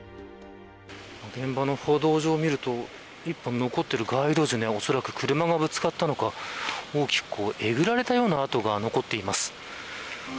現場の歩道上を見ると１本残っている街路樹おそらく車がぶつかったのか大きく、えぐられたような跡が残っています。